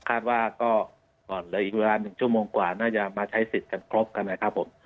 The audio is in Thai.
คาดว่าก่อนเดี๋ยวอีกชั่วโมงกว่าน่าจะมาใช้สิทธิ์กันครบกันนะครับผม